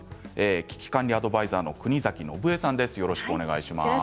危機管理アドバイザーの国崎信江さんです。